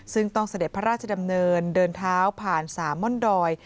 ซึ่งต้องเสด็จพระราชดำเนินเดินเท้าผ่านสามม่อนดอย